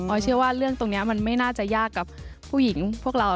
เชื่อว่าเรื่องตรงนี้มันไม่น่าจะยากกับผู้หญิงพวกเรา